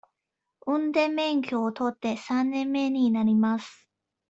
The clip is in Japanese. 運転免許を取って三年目になります。